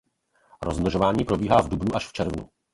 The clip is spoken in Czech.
Rozmnožování probíhá v dubnu až červnu.